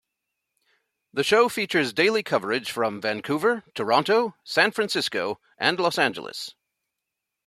The show features daily coverage from Vancouver, Toronto, San Francisco and Los Angeles.